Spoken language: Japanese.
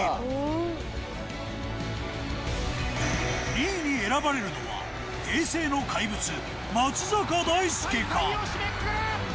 ２位に選ばれるのは平成の怪物松坂大輔か。